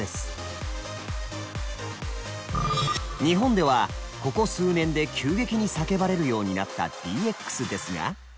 日本ではここ数年で急激に叫ばれるようになった「ＤＸ」ですが。